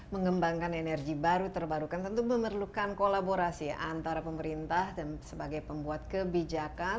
mengembangkan energi baru terbarukan tentu memerlukan kolaborasi antara pemerintah dan sebagai pembuat kebijakan